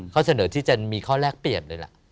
ข้อเสนอที่จะมีข้อแรกเปรียบเลยล่ะ